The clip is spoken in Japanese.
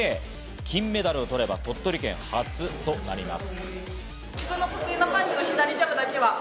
金メダルを取れば、鳥取県初となります。